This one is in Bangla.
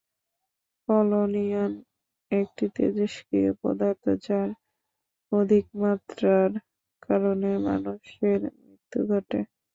পলোনিয়াম একটি তেজস্ত্রিয় পদার্থ, যার অধিক মাত্রার কারণে মানুষের মৃত্যু ঘটে।